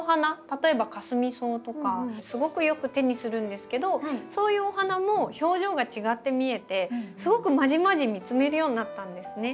例えばカスミソウとかすごくよく手にするんですけどそういうお花も表情が違って見えてすごくまじまじ見つめるようになったんですね。